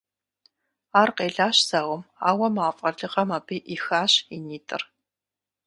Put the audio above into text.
Ар къелащ зауэм, ауэ а мафӀэ лыгъэм абы Ӏихащ и нитӀыр.